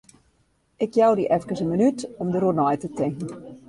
Ik jou dy efkes in minút om dêroer nei te tinken.